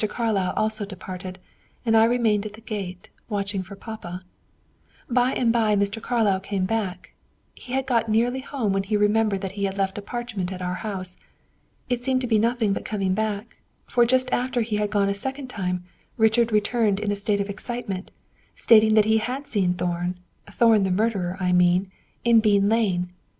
Carlyle also departed; and I remained at the gate, watching for papa. By and by Mr. Carlyle came back again; he had got nearly home when he remembered that he had left a parchment at our house. It seemed to be nothing but coming back; for just after he had gone a second time, Richard returned in a state of excitement, stating that he had seen Thorn Thorn the murderer, I mean in Bean lane.